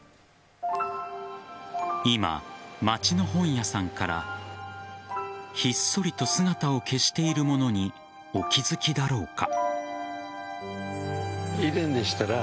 今、街の本屋さんからひっそりと姿を消しているものにお気づきだろうか。